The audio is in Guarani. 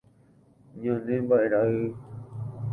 Ñane mbaʼerãʼỹ.